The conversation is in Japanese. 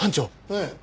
ええ。